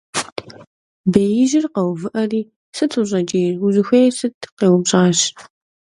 Беижьыр къэувыӀэри: - Сыт ущӀэкӀийр? Узыхуейр сыт?! - къеупщӀащ.